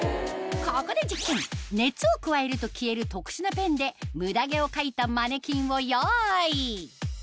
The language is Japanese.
ここで実験熱を加えると消える特殊なペンでムダ毛を書いたマネキンを用意